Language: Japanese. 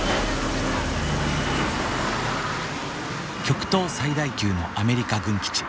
極東最大級のアメリカ軍基地嘉手納。